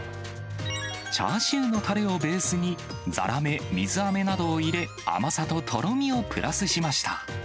チャーシューのたれをベースに、ざらめ、水あめなどを入れ、甘さととろみをプラスしました。